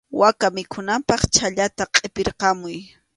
Waka mikhunanpaq chhallata qʼipirqamuy.